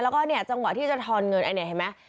แล้วก็เนี่ยจังหวะที่จะทอนเงินอันนี้เห็นไหม